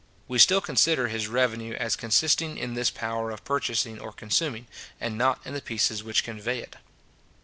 We still consider his revenue as consisting in this power of purchasing or consuming, and not in the pieces which convey it.